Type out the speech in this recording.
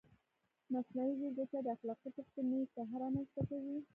مصنوعي ځیرکتیا د اخلاقي پوښتنو نوې ساحه رامنځته کوي.